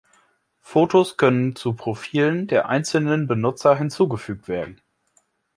Fotos können zu Profilen der einzelnen Benutzer hinzugefügt werden.